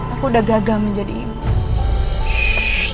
aku udah gagal menjadi ibu